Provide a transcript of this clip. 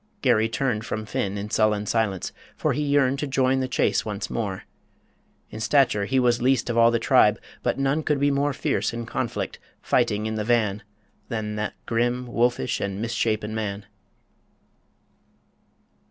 ... Garry turned From Finn in sullen silence, for he yearned To join the chase once more. In stature he Was least of all the tribe, but none could be More fierce in conflict, fighting in the van, Than that grim, wolfish, and misshapen man!